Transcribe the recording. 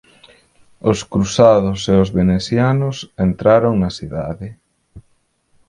Os cruzados e os venecianos entraron na cidade.